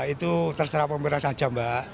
itu terserah pemerintah saja mbak